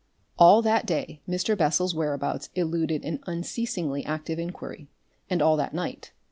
All that day Mr. Bessel's whereabouts eluded an unceasingly active inquiry, and all that night.